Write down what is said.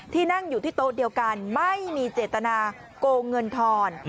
นั่งอยู่ที่โต๊ะเดียวกันไม่มีเจตนาโกงเงินทอน